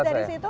habis dari situ